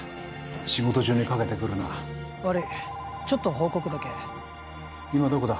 仕事中にかけてくるな悪いちょっと報告だけ今どこだ？